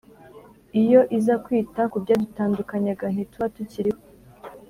Iyo iza kwita kubyadutandukanyaga ntituba tukiriho